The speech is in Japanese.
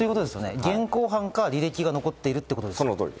現行犯か履歴が残っているということですね。